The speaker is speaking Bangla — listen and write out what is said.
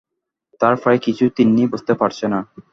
তার প্রায় কিছুই তিন্নি বুঝতে পারছে না।